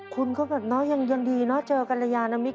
คุณก็แบบยังดีนะเจอกันระยะนมิตร